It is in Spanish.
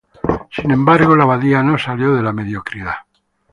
Sin embargo, la abadía no salió de la mediocridad.